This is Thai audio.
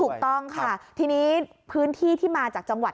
ถูกต้องค่ะทีนี้พื้นที่ที่มาจากจังหวัด